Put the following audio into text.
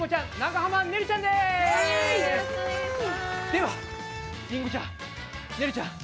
ではりんごちゃんねるちゃん